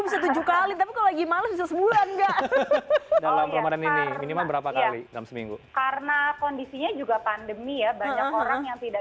bisa tujuh kali tapi kalau lagi males bisa sebulan nggak dalam kemarin ini berapa kali dalam seminggu